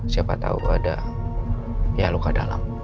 siapa tau ada luka dalam